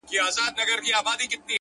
څوک انتظار کړي! ستا د حُسن تر لمبې پوري!